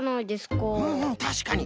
うんうんたしかに。